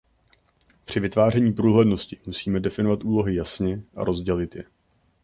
Při vytváření průhlednosti musíme definovat úlohy jasně a rozdělit je.